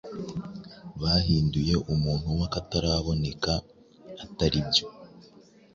bahinduye umuntu w’akataraboneka.ataribyo